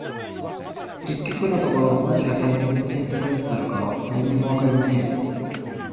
•結局のところ、何が最善の選択だったのかは、誰にも分かりません。